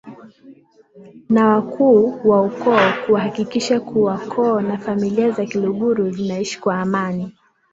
na wakuu wa ukoo kuhakikisha kuwa koo na familia za kiluguru zinaishi kwa Amani